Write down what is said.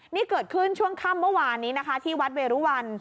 นี่เกิดขึ้นช่วงค่ำเมื่อวานนี้นะคะที่วัดเวรุวัน